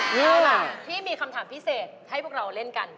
เอาล่ะพี่มีคำถามพิเศษให้พวกเราเล่นกัน